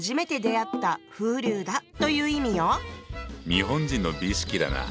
日本人の美意識だなぁ。